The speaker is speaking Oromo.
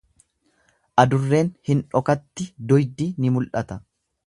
Adurreen hin dhokatti duydi ni mul'ata.